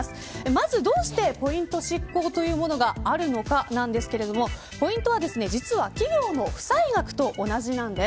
まず、どうしてポイント失効というものがあるかなんですけれどもポイントは実は企業の負債額と同じなんです。